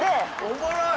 おもろい！